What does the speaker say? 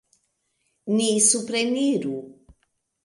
Ni supreniru!